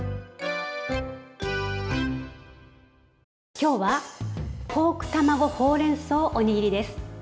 今日はポーク卵ほうれんそうおにぎりです。